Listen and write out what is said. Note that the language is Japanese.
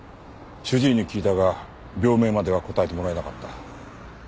主治医に聞いたが病名までは答えてもらえなかった。